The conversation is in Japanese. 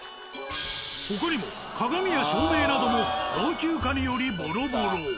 他にも鏡や照明なども老朽化によりボロボロ。